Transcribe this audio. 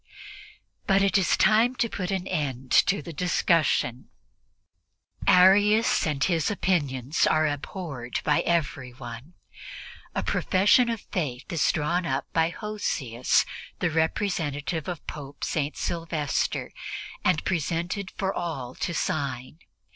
But it is time to put an end to the discussion; Arius and his opinions are abhorred by everyone. A profession of Faith is drawn up by Hosius, the representative of Pope St. Sylvester, and presented for all to sign.